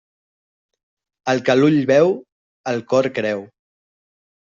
El que l'ull veu, el cor creu.